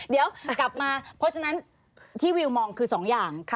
เดี๋ยวกลับมาเพราะฉะนั้นที่วิวมองคือ๒อย่าง